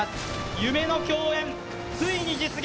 夢の共演、ついに実現。